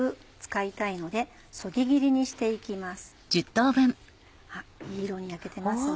いい色に焼けてますね。